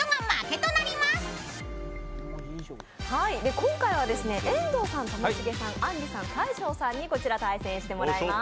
今回は、遠藤さん、ともしげさん、あんりさん、大昇さんにこちら対戦してもらいます。